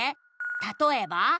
「たとえば？」